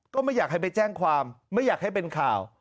ก็ไม่อยากให้ไปแจ้งความไม่อยากให้เป็นข่าว